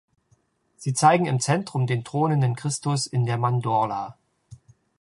Sie zeigen im Zentrum den thronenden Christus in der Mandorla.